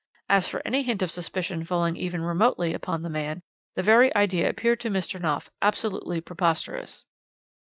As for any hint of suspicion falling even remotely upon the man, the very idea appeared to Mr. Knopf absolutely preposterous.